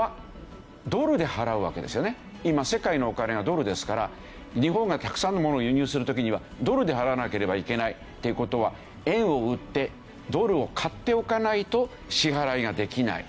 今世界のお金はドルですから日本がたくさんの物を輸入する時にはドルで払わなければいけないっていう事は円を売ってドルを買っておかないと支払いができない。